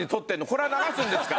これは流すんですか？